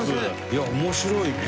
いや面白いね。